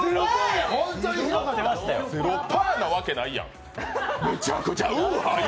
０％なわけないやん！